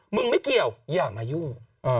ไม่เกี่ยวอย่ามายุ่ง